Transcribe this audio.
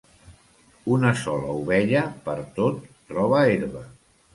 Una sola ovella pertot troba herba.